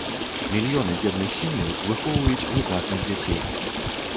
Мільёны бедных сем'яў выхоўваюць выдатных дзяцей.